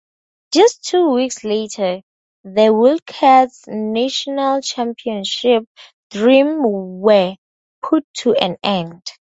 Just two weeks later, the Wildcats' national championship dreams were put to an end.